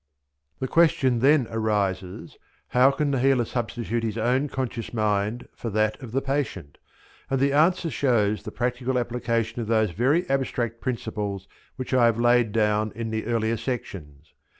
The question then arises, how can the healer substitute his own conscious mind for that of the patient? and the answer shows the practical application of those very abstract principles which I have laid down in the earlier sections.